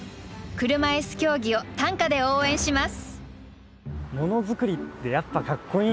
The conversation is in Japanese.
車いす競技を短歌で応援します。